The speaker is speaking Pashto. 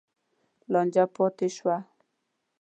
لانجه پاتې شوه.